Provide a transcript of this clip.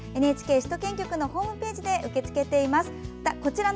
ＮＨＫ首都圏局のホームページで受け付けております。